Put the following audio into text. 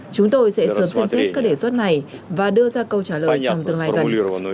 chúng tôi sẽ sớm xem xét các đề xuất này và đưa ra câu trả lời trong tương lai gần